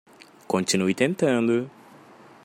Continue tentando.